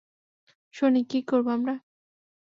Sonic, কী করব, আমরা?